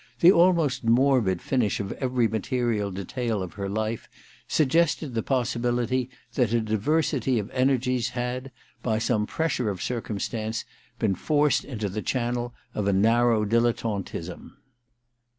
The almost morbid finish of every material detail of her life suggested the possibility that a diversity of energies had, by some pressure of circum stance, been forced into the channel of a narrow dilettantism.